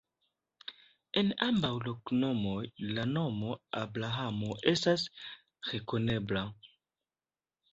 En ambaŭ loknomoj la nomo Abrahamo estas rekonebla.